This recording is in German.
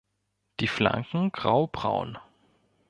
Die Flanken graubraun.